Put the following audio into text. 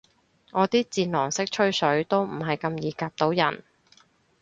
我啲戰狼式吹水都唔係咁易夾到人